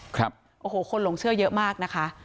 คนหลงเชื่อเยอะมากนะคะ